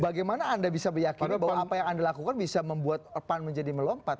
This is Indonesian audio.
bagaimana anda bisa meyakini bahwa apa yang anda lakukan bisa membuat pan menjadi melompat